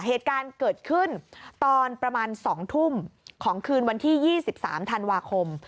เหตุการณ์เกิดขึ้นตอนประมาณ๒ทุ่มของคืนวันที่๒๓ธันวาคม